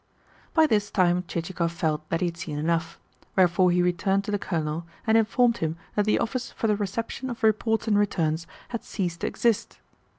By this time Chichikov felt that he had seen enough; wherefore he returned to the Colonel, and informed him that the Office for the Reception of Reports and Returns had ceased to exist.